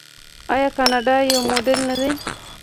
آیا کاناډا یو موډل نه دی؟